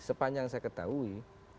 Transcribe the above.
sepanjang saya ketahui